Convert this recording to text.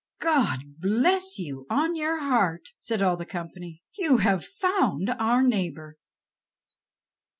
"God bless you on your heart," said all the company; "you have found our neighbor."